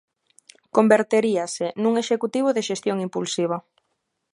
Converteríase nun Executivo de xestión impulsiva.